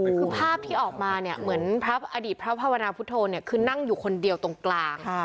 คือภาพที่ออกมาเนี่ยเหมือนพระอดีตพระภาวนาพุทธโธเนี่ยคือนั่งอยู่คนเดียวตรงกลาง